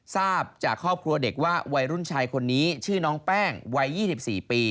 ทราบจากครอบครัวเด็กว่าวัยรุ่นชายคนนี้ชื่อน้องแป้งวัย๒๔ปี